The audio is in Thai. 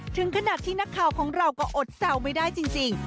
ถึงขนาดที่นักข่าวของเราก็อดแซวไม่ได้จริง